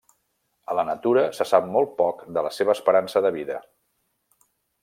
A la natura, se sap molt poc de la seva esperança de vida.